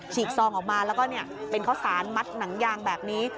กซองออกมาแล้วก็เป็นข้าวสารมัดหนังยางแบบนี้